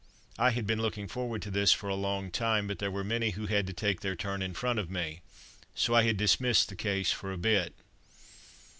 I had been looking forward to this for a long time, but there were many who had to take their turn in front of me, so I had dismissed the case for a bit.